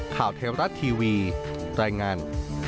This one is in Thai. ข่าวเทวรัฐทีวีรายงาน